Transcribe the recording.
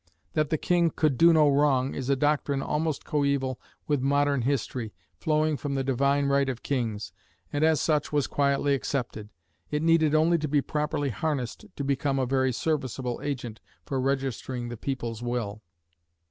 That the king "could do no wrong," is a doctrine almost coeval with modern history, flowing from the "divine right" of kings, and, as such, was quietly accepted. It needed only to be properly harnessed to become a very serviceable agent for registering the people's will.